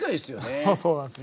そうなんです。